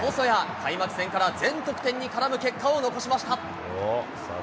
開幕戦から全得点に絡む結果を残しました。